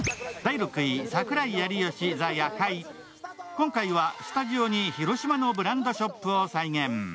今回はスタジオに広島のブランドショップを再現。